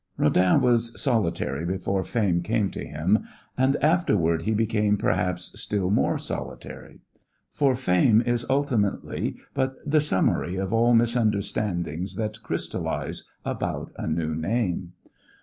_ Rodin was solitary before fame came to him and afterward he became, perhaps, still more solitary. For fame is ultimately but the summary of all misunderstandings that crystallize about a new name.